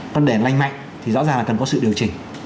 còn để lành mạnh thì rõ ràng là cần có sự điều chỉnh